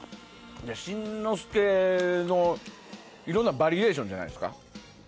新之助の、いろんなバリエーションじゃないですか。